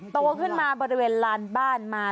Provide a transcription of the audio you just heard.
โตขึ้นมาบริเวณลานบ้านมา